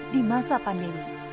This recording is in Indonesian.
di masa pandemi